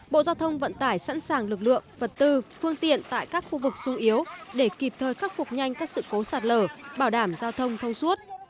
bộ giao thông vận tải sẵn sàng lực lượng vật tư phương tiện tại các khu vực sung yếu để kịp thời khắc phục nhanh các sự cố sạt lở bảo đảm giao thông thông suốt